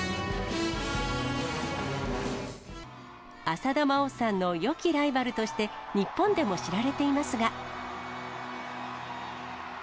浅田真央さんのよきライバルとして、日本でも知られていますが。